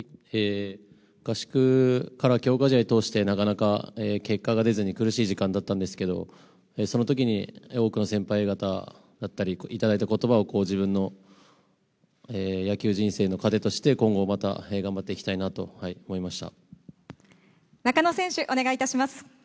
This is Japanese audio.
合宿から強化試合通して、なかなか結果が出ずに苦しい時間だったんですけど、そのときに多くの先輩方だったり、頂いたことばを自分の野球人生の糧として、今後また頑張っていき中野選手、お願いいたします。